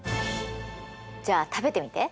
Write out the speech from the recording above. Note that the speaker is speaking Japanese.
じゃあ食べてみて。